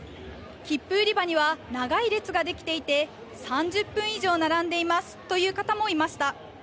切符売り場には長い列が出来ていて、３０分以上並んでいますという方もいました。